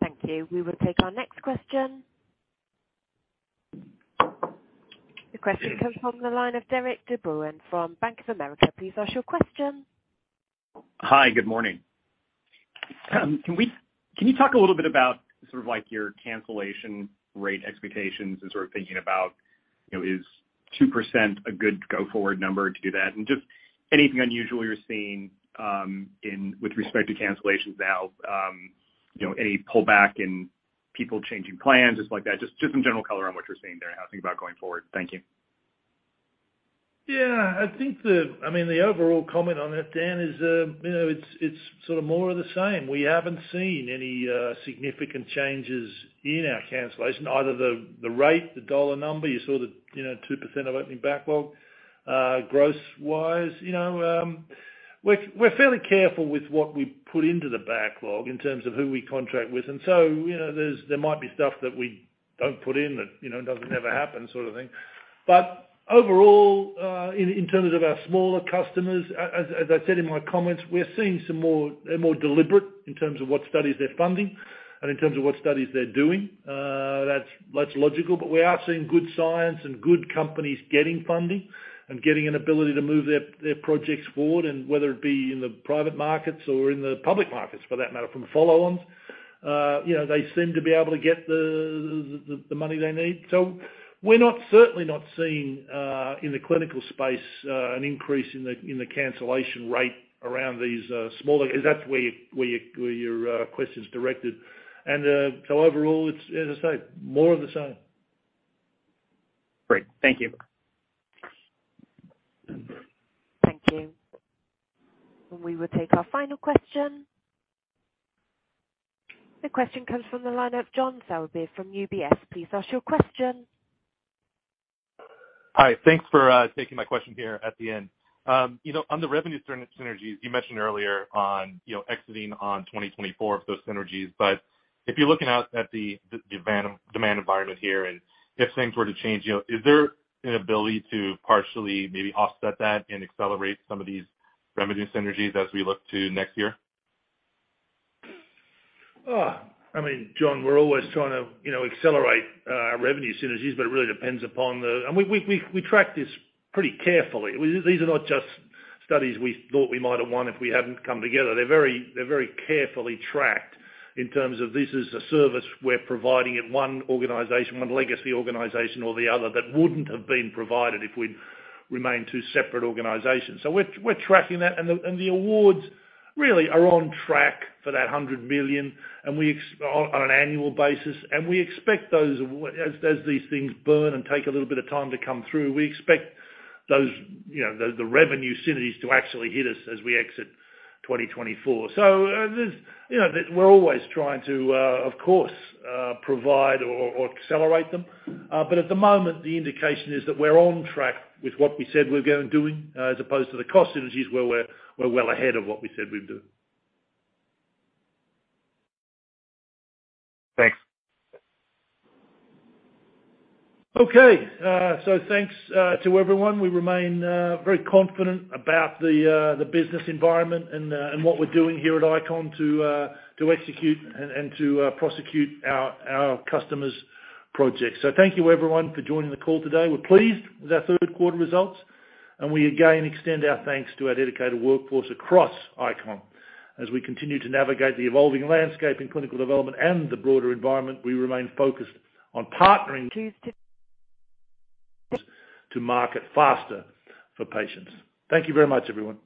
Thank you. We will take our next question. The question comes from the line of Derik De Bruin from Bank of America. Please ask your question. Hi. Good morning. Can you talk a little bit about sort of like your cancellation rate expectations and sort of thinking about, you know, is 2% a good go-forward number to do that? Just anything unusual you're seeing in with respect to cancellations now, you know, any pullback in people changing plans, just like that. Just some general color on what you're seeing there and how to think about going forward. Thank you. Yeah. I think, I mean, the overall comment on that, Dan, is, you know, it's sort of more of the same. We haven't seen any significant changes in our cancellation, either the rate, the dollar number. You saw the, you know, 2% of opening backlog, gross wise, you know, we're fairly careful with what we put into the backlog in terms of who we contract with. You know, there might be stuff that we don't put in that, you know, doesn't never happen sort of thing. Overall, in terms of our smaller customers, as I said in my comments, we're seeing some more. They're more deliberate in terms of what studies they're funding and in terms of what studies they're doing. That's logical. We are seeing good science and good companies getting funding and getting an ability to move their projects forward. Whether it be in the private markets or in the public markets for that matter, from the follow-ons, you know, they seem to be able to get the money they need. We're certainly not seeing in the clinical space an increase in the cancellation rate around these smaller. 'Cause that's where your question's directed. Overall it's, as I say, more of the same. Great. Thank you. Thank you. We will take our final question. The question comes from the line of John Sourbeer from UBS. Please ask your question. Hi. Thanks for taking my question here at the end. You know, on the revenue synergies, you mentioned earlier on, you know, exiting on 2024 of those synergies. But if you're looking out at the demand environment here, and if things were to change, you know, is there an ability to partially maybe offset that and accelerate some of these revenue synergies as we look to next year? I mean, John, we're always trying to, you know, accelerate our revenue synergies, but it really depends upon the. We track this pretty carefully. These are not just studies we thought we might have won if we hadn't come together. They're very carefully tracked in terms of this is a service we're providing at one organization, one legacy organization or the other, that wouldn't have been provided if we'd remained two separate organizations. So we're tracking that. The awards really are on track for that $100 million on an annual basis. We expect those as these things burn and take a little bit of time to come through. We expect those, you know, the revenue synergies to actually hit us as we exit 2024. You know, we're always trying to, of course, provide or accelerate them. At the moment, the indication is that we're on track with what we said we're doing, as opposed to the cost synergies where we're well ahead of what we said we'd do. Thanks. Okay. Thanks to everyone. We remain very confident about the business environment and what we're doing here at ICON to execute and to prosecute our customers' projects. Thank you everyone for joining the call today. We're pleased with our third quarter results, and we again extend our thanks to our dedicated workforce across ICON. As we continue to navigate the evolving landscape in clinical development and the broader environment, we remain focused on partnering. Please state. To market faster for patients. Thank you very much, everyone.